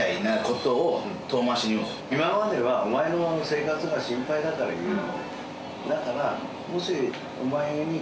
今まではお前の生活が心配だから言う。